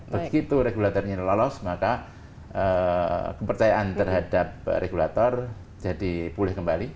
begitu regulatornya lolos maka kepercayaan terhadap regulator jadi pulih kembali